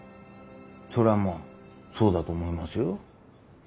そりゃまぁそうだと思いますよ。